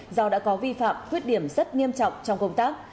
do đã có vi phạm khuyết điểm rất nghiêm trọng trong công tác